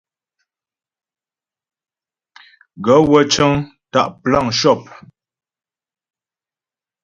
Gaə̂ wə́ cə́ŋ tá' plan shɔ́p.